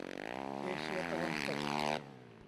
เอเชียตะวันตก